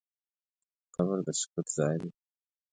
قبر د سکوت ځای دی.